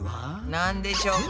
なんでしょうか？